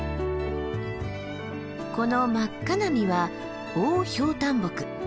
この真っ赤な実はオオヒョウタンボク。